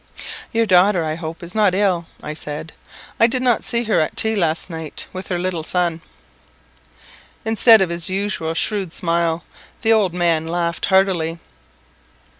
"Your daughter, I hope, is not ill," I said; "I did not see her at tea last night with her little son." Instead of his usual shrewd smile, the old man laughed heartily.